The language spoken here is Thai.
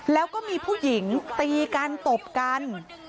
แล้วก็มีผู้หญิงตีกันตบกัน